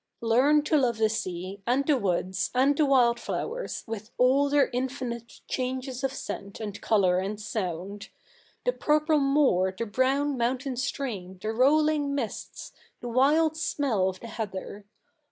Learn to love the sea, and the woods, and the wild flowers, with all their infinite changes of scent, and colour, and sound — the purple moor, the brown mountain stream, the rolling mists, the wild smell of the heather.